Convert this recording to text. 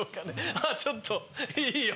あっちょっといいよ？